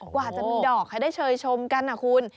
กว่าจะมีดอกให้ได้เชยชมกันนะคุณ